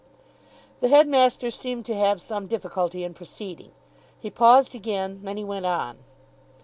The headmaster seemed to have some difficulty in proceeding. He paused again. Then he went on.